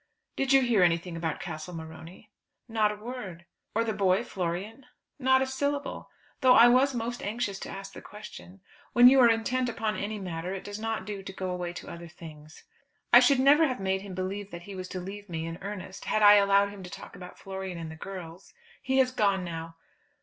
"Did you hear anything about Castle Morony?" "Not a word." "Or the boy Florian?" "Not a syllable; though I was most anxious to ask the question. When you are intent upon any matter, it does not do to go away to other things. I should have never made him believe that he was to leave me in earnest, had I allowed him to talk about Florian and the girls. He has gone now.